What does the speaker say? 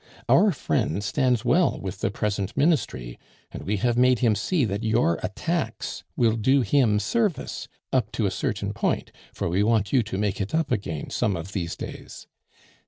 Our friend stands well with the present ministry; and we have made him see that your attacks will do him service up to a certain point, for we want you to make it up again some of these days.